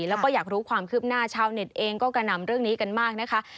แล้วก็อยากรู้ความคืบหน้าชาวเน็ตเองก็กระหน่ำเรื่องนี้กันมากนะคะ